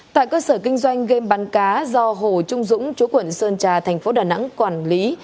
tại cơ sở kinh doanh game bán cá do hồ trung dũng chú quận sơn trà tp đà nẵng quản lý